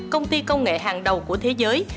công ty công nghệ hàng đầu của thế giới